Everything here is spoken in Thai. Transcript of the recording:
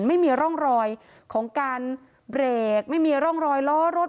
ไม่มีร่องรอยของการเบรกไม่มีร่องรอยล้อรถ